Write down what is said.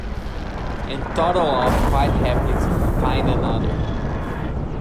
And toddle off quite happily to find another.